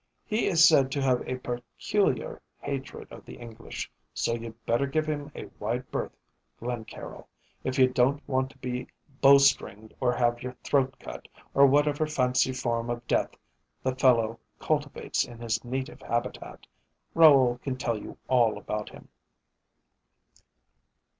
He is said to have a peculiar hatred of the English, so you'd better give him a wide berth, Glencaryll, if you don't want to be bow stringed or have your throat cut, or whatever fancy form of death the fellow cultivates in his native habitat. Raoul can tell you all about him.'